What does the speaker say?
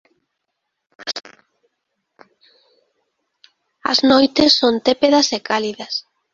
As noites son tépedas e cálidas.